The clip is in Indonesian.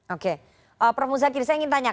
oke prof musa kirsaing ingin tanya